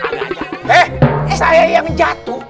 eh saya yang jatuh